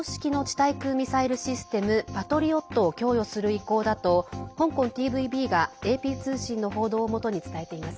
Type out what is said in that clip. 対空ミサイルシステム「パトリオット」を供与する意向だと香港ＴＶＢがＡＰ通信の報道をもとに伝えています。